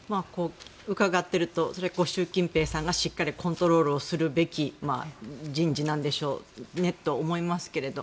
伺っていると習近平さんがしっかりコントロールをするべき人事なんでしょうねと思いますけど。